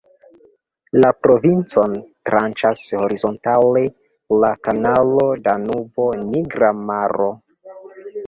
La provincon "tranĉas" horizontale la Kanalo Danubo-Nigra Maro.